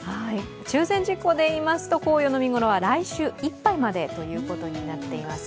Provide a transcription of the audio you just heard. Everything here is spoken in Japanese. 中禅寺湖でいいますと、紅葉の見頃は来週いっぱいとなっています。